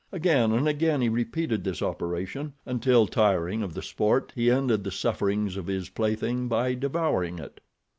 Again and again he repeated this operation, until, tiring of the sport, he ended the sufferings of his plaything by devouring it.